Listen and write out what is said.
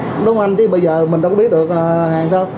đúng không anh chứ bây giờ mình đâu có biết được hàng sao